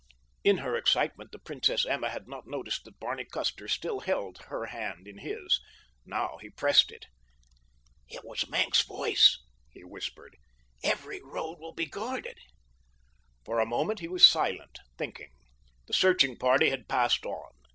In her excitement the Princess Emma had not noticed that Barney Custer still held her hand in his. Now he pressed it. "It is Maenck's voice," he whispered. "Every road will be guarded." For a moment he was silent, thinking. The searching party had passed on.